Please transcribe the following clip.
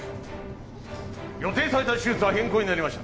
「予定された手術は変更になりました」